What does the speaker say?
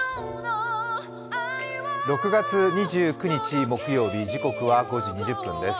６月２９日木曜日、時刻は５時２０分です